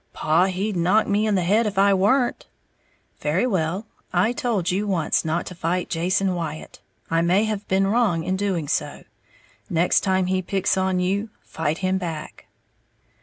"Paw he'd knock me in the head if I weren't." "Very well. I told you once not to fight Jason Wyatt. I may have been wrong in doing so. Next time he picks on you, fight him back."